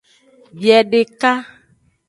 Biedeka.